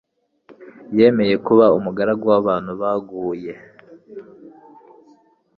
yemeye kuba umugaragu w'abantu baguye.